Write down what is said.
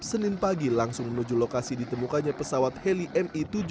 senin pagi langsung menuju lokasi ditemukannya pesawat heli mi tujuh belas